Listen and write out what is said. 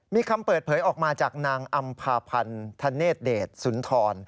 มีคำเปิดเผยออกมาจากนางอำภาพันธ์ธเนธเดชสุนทร